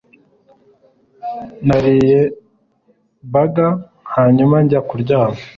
nariye burger hanyuma njya kuryama